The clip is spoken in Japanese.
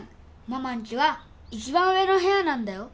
ママんちは一番上の部屋なんだよ